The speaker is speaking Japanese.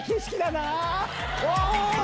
おい！